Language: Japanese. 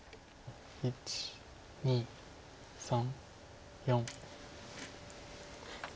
１２３４。